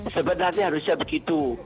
sebenarnya harusnya begitu